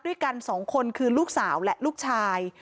ด้วยกันสองคนคือลูกสาวและลูกชาย